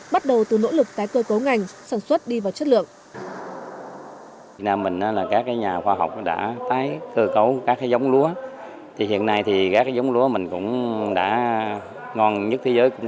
bắt đầu từ nỗ lực tái cơ cấu ngành sản xuất đi vào chất lượng